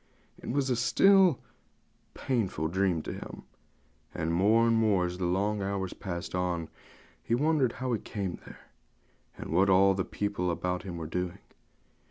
It was still a painful dream to him; and more and more, as the long hours passed on, he wondered how he came there, and what all the people about him were doing.